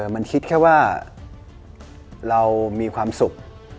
มันคิดแค่ว่าเรามีความสุข